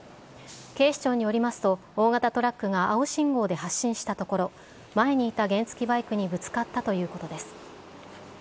警視庁によりますと、大型トラックが青信号で発進したところ、前にいた原付きバイクにぶつかったということです。